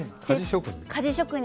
鍛冶職人？